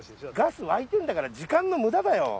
ス沸いてんだから時間の無駄だよ。